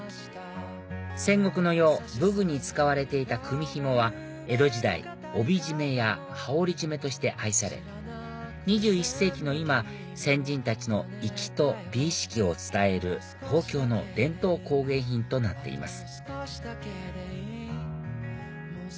戦国の世武具に使われていた組み紐は江戸時代帯締めや羽織締めとして愛され２１世紀の今先人たちの意気と美意識を伝える東京の伝統工芸品となっています